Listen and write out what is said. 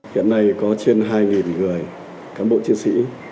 hiện nay có trên hai người cán bộ chiến sĩ